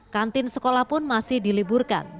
kantin sekolah pun masih diliburkan